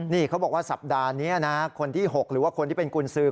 นี่เขาบอกว่าสัปดาห์นี้นะคนที่๖หรือว่าคนที่เป็นกุญสือ